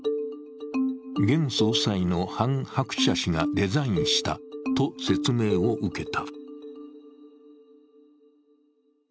現総裁のハン・ハクチャ氏がデザインしたと説明を受けた。